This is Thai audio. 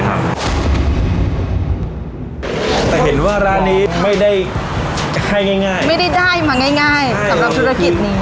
แต่เห็นว่าร้านนี้ไม่ได้ให้ง่ายง่ายไม่ได้ได้มาง่ายง่ายกำลังธุรกิจนี้